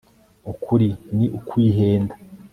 Uku ni ukwihenda